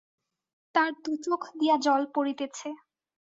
তার দুচোখ দিয়া জল পড়িতেছে।